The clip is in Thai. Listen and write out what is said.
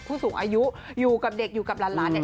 ผู้สูงอายุอยู่กับเด็กอยู่กับล้าน